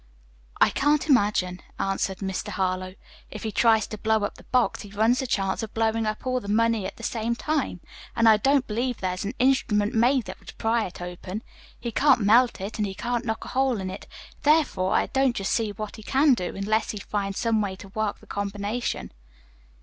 "I can't imagine," answered Mr. Harlowe. "If he tries to blow up the box he runs the chance of blowing up all the money at the same time, and I don't believe there is an instrument made that would pry it open. He can't melt it and he can't knock a hole in it. Therefore, I don't just see what he can do, unless he finds some way to work the combination."